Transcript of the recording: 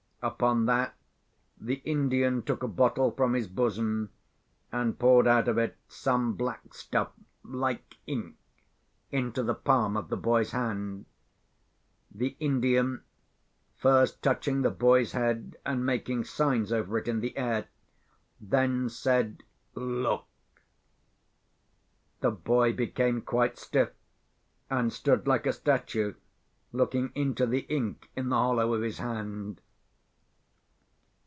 Upon that, the Indian took a bottle from his bosom, and poured out of it some black stuff, like ink, into the palm of the boy's hand. The Indian—first touching the boy's head, and making signs over it in the air—then said, "Look." The boy became quite stiff, and stood like a statue, looking into the ink in the hollow of his hand.